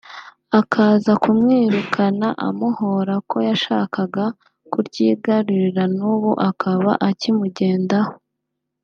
akaza kumwirukana amuhora ko yashakaga kuryigarurira n’ubu akaba akimugendaho